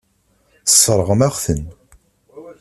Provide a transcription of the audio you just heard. Tesseṛɣem-aɣ-ten.